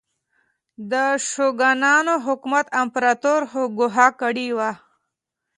د شوګانانو حکومت امپراتور ګوښه کړی و.